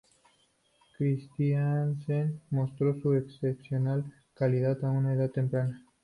Christiansen mostró su excepcional calidad a una edad temprana.